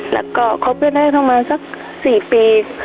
แล้วก็เข้าเพื่อนให้เข้ามาสัก๔ปี